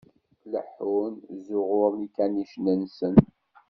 Leḥḥun, ẓẓuɣuṛen ikanicen-nsen.